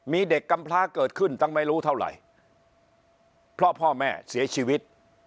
มีเด็กกำพลาเกิดขึ้นตั้งไม่รู้เท่าไหร่เพราะพ่อแม่เสียชีวิต